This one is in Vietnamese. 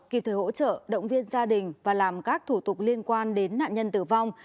kịp thời hỗ trợ động viên gia đình và làm các thủ tục liên quan đến nạn nhân tử vong